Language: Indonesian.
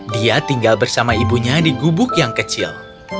dia tinggal bersama ibunya di gubuk yang kecil